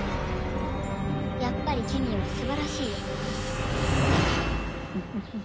やっぱりケミーは素晴らしいよ。